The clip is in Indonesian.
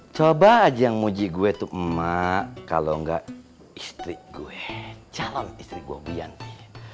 coba aja yang muji gue itu emak kalau enggak istri gue calon istri gue bianti